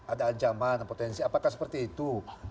ada ancaman dan potensi apakah seperti itu